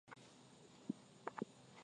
Mtoto wangu ameshinda tuzo kubwa sana.